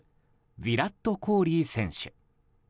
ヴィラット・コーリ選手。